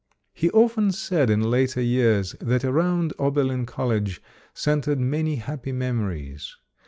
He often said, in later years, that around Ober lin College centered many happy memories.